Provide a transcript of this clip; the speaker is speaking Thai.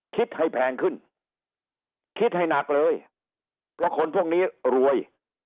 คิดให้แพงขึ้นคิดให้หนักเลยเพราะคนพวกนี้รวย